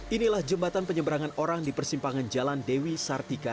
inilah jembatan penyeberangan orang di persimpangan jalan dewi sartika